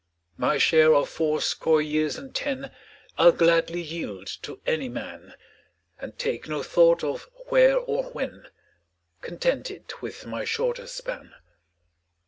My share of fourscore years and ten I'll gladly yield to any man, And take no thought of " where " or " when," Contented with my shorter span.